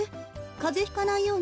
かぜひかないようにね。